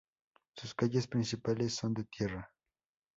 Sus calles principales son de tierra.